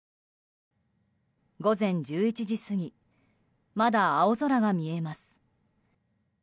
午前１１時過ぎまだ青空が見えます。